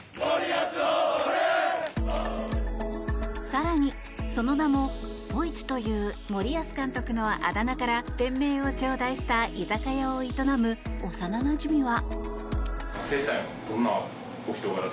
更に、その名もぽいちという森保監督のあだ名から店名を頂戴した居酒屋を営む幼なじみは。